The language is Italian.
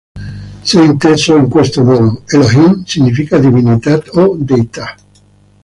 Se inteso in questo modo, "elohim" significa "divinità" o "deità".